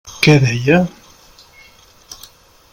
Què deia?